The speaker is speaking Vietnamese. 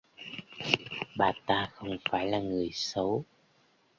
Bà ta không phải là người xấu